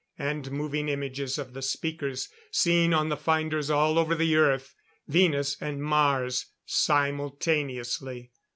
And moving images of the speakers, seen on the finders all over the Earth, Venus and Mars simultaneously.